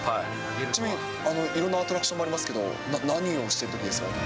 ちなみに、いろんなアトラクションもありますけど、何をしているときですか？